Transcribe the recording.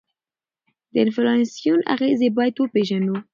د انفلاسیون اغیزې باید وپیژنو.